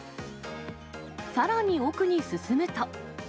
さらに奥に進むと。